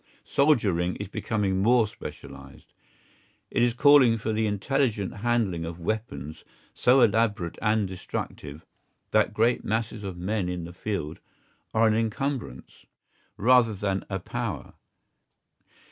Soldiering is becoming more specialised. It is calling for the intelligent handling of weapons so elaborate and destructive that great masses of men in the field are an encumbrance rather than a power.